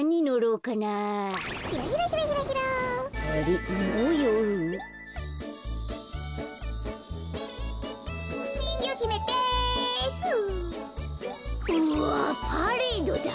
うわっパレードだ。